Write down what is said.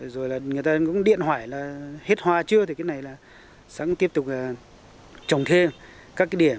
rồi là người ta cũng điện hỏi là hết hoa chưa thì cái này là sẽ tiếp tục trồng thêm các cái điểm